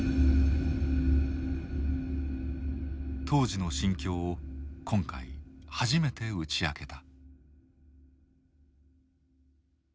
当時の心境を今回初めて打ち明けた。